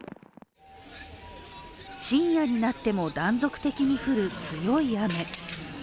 深夜になっても断続的に降る強い雨。